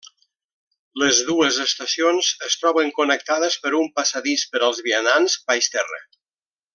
Les dues estacions es troben connectades per un passadís per als vianants baix terra.